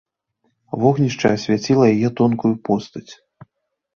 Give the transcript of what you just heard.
Вогнішча асвяціла яе тонкую постаць.